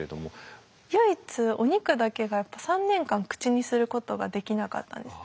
唯一お肉だけが３年間口にすることができなかったんです。